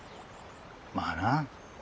まあな。